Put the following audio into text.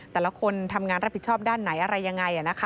แต่ละคนทำงานรับผิดชอบด้านไหนอะไรยังไง